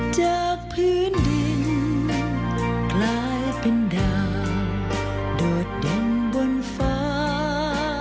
จากพื้นดินกลายเป็นดาวโดดเด่นบนฟ้า